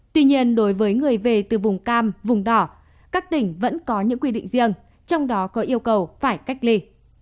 tuy nhiên đối với người về từ vùng cam vùng đỏ các tỉnh vẫn có những quy định riêng trong đó có yêu cầu phải cách ly